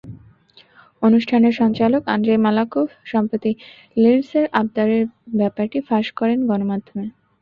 অনুষ্ঠানের সঞ্চালক Andrei Malakhov সম্প্রতি লিন্ডসের আবদারের ব্যাপারটি ফাঁস করেন গণমাধ্যমে।